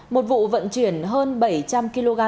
một vụ vận chuyển hơn bảy trăm linh kg